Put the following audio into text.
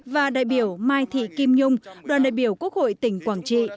và đại biểu mai thị kim nhung đoàn đại biểu quốc hội tỉnh quảng trị